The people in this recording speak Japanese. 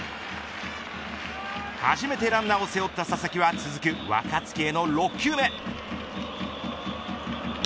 初めてランナーを背負った佐々木は続く若月への６球目。